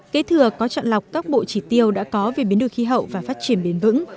kế thừa có chọn lọc các bộ chỉ tiêu đã có về biến đổi khí hậu và phát triển bền vững